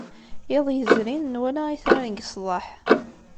Iḍ yezrin, nwala itran seg ṣṣdeḥ.